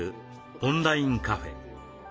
オンラインカフェ。